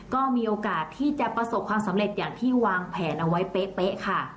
ก็มีโอกาสที่จะประสบความสำเร็จอย่างที่วางแผนเอาไว้เป๊ะค่ะ